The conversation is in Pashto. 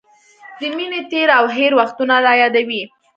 د مینې تېر او هېر وختونه رايادوي.